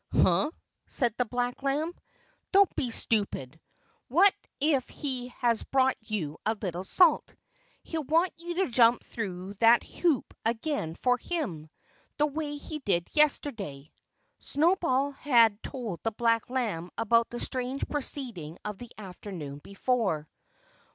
"Huh!" said the black lamb. "Don't be stupid! What if he has brought you a little salt? He'll want you to jump through that hoop again for him, the way he did yesterday." Snowball had told the black lamb about the strange proceeding of the afternoon before.